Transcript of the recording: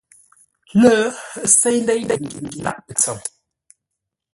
Lə́, ə́ séi ndéi pəgyě lâʼ pətsəm.